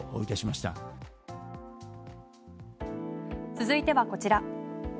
続いてはこちら。